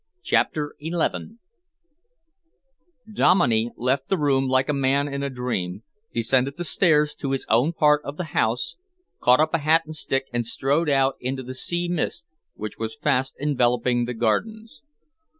CHAPTER XI Dominey left the room like a man in a dream, descended the stairs to his own part of the house, caught up a hat and stick and strode out into the sea mist which was fast enveloping the gardens.